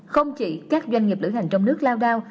không chỉ các doanh nghiệp lửa hành trong nước lao đao